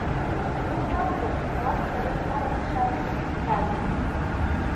Ус акәзар, нас сара еиҳарак сшьара сықәызҟьазеи?